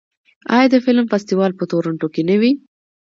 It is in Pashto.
آیا د فلم فستیوال په تورنټو کې نه وي؟